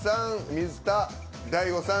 水田大悟さん